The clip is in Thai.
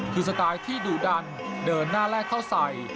คือสไตล์ที่ดุดันเดินหน้าแลกเข้าใส่